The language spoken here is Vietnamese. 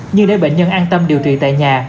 nhưng để bệnh nhân an tâm điều trị tại nhà